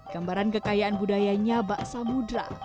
gambaran kekayaan budayanya bak samudera